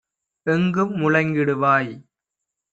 எங்கும் முழங்கிடுவாய்!